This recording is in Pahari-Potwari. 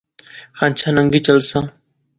ہنچھا ننگی چلساں